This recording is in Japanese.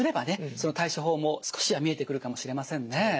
その対処法も少しは見えてくるかもしれませんね。